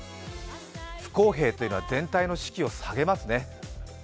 不公平というのは、全体の士気を下げますね。